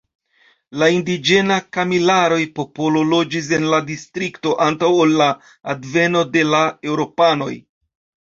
La indiĝena Kamilaroj-popolo loĝis en la distrikto antaŭ ol la alveno de la eŭropanoj.